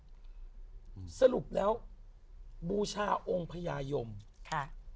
อืมสรุปแล้วบูชาองค์พญายมค่ะ